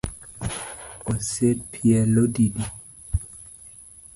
Osepielo didi?